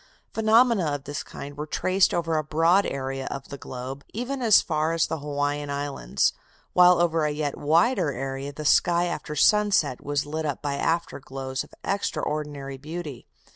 Phenomena of this kind were traced over a broad area of the globe, even as far as the Hawaiian Islands, while over a yet wider area the sky after sunset was lit up by after glows of extraordinary beauty.